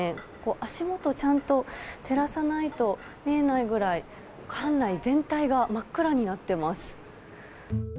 足元、ちゃんと照らさないと見えないくらい、館内全体が真っ暗になっています。